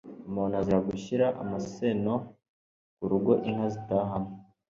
Umuntu azira gushyira amaseno ku rugo inka zitahamo,